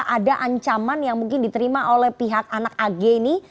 ada ancaman yang mungkin diterima oleh pihak anak ag ini